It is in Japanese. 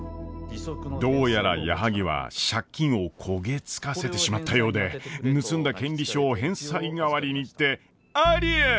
どうやら矢作は借金を焦げつかせてしまったようで盗んだ権利書を返済代わりにってありえん！